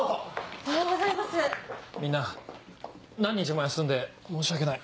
みんな何日も休んで申し訳ない。